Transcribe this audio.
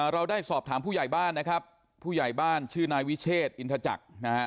เราได้สอบถามผู้ใหญ่บ้านนะครับผู้ใหญ่บ้านชื่อนายวิเชษอินทจักรนะฮะ